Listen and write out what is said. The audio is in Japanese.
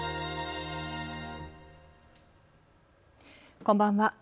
こんばんは。